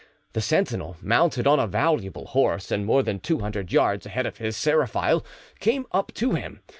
The sentinel, mounted on a valuable horse, and more than two hundred yards ahead of his serafile, came up to him.